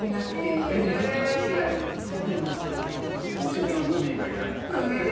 宝石のルビーが由来なんです。